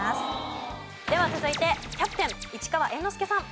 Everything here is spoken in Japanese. では続いてキャプテン市川猿之助さん。